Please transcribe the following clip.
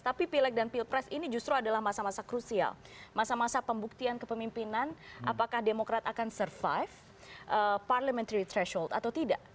tapi pileg dan pilpres ini justru adalah masa masa krusial masa masa pembuktian kepemimpinan apakah demokrat akan survive parliamentary threshold atau tidak